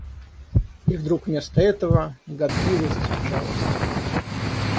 И вдруг вместо этого — гадливость, жалость...